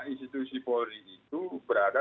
institusi polri itu berada